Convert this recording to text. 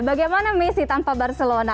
bagaimana messi tanpa barcelona